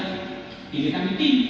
thì người ta mới tin